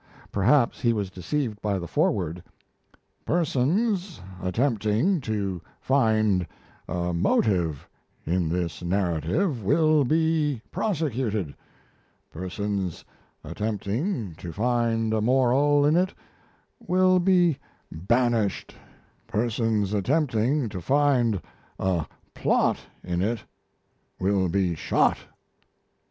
Perhaps he was deceived by the foreword: "Persons attempting to find a motive in this narrative will be prosecuted; persons attempting to find a moral in it will be banished; persons attempting to find a plot in it will be shot."